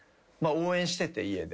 応援してて家で。